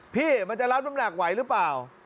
พี่มันจะรับน้ำหนักไหวหรือเปล่า